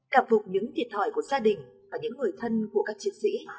cảm phục những thiệt thòi của gia đình và những người thân của các chiến sĩ